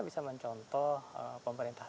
bisa mencontoh pemerintah